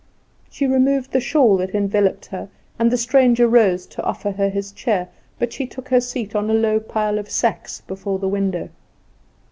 She removed the shawl that enveloped her, and the stranger rose to offer her his chair; but she took her seat on a low pile of sacks before the window.